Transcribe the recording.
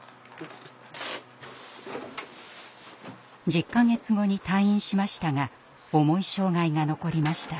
１０か月後に退院しましたが重い障害が残りました。